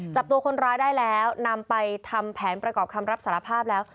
จับตัวคนร้ายได้แล้วนำไปทำแผนประกอบคำรับสารภาพแล้ว